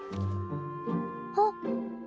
あっ。